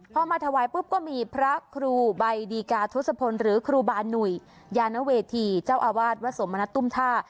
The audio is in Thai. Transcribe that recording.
พอมาถวายปุ๊บก็มีพระครูใบดีกาทศพลหรือครูบาหนุ่ยยานเวทีเจ้าอาวาสวัดสมณตุ้มท่า